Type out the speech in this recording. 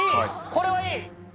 これはいい。